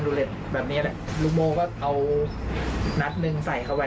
เหล็กแบบนี้แหละลูกโม่ก็เอานัดหนึ่งใส่เข้าไป